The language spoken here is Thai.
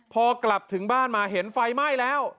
พอกลับถึงบ้านมาเห็นไฟไหม้แล้ว